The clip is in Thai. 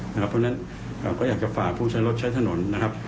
เพราะฉะนั้นก็อยากจะฝากผู้ใช้รถใช้ถนนนะครับ